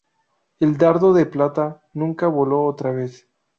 El Dardo de Plata nunca voló otra vez.